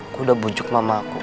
aku udah bujuk mama aku